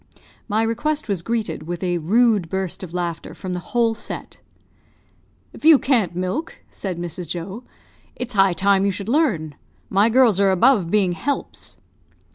My request was greeted with a rude burst of laughter from the whole set. "If you can't milk," said Mrs. Joe, "it's high time you should learn. My girls are above being helps."